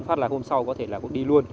phát là hôm sau có thể cũng đi luôn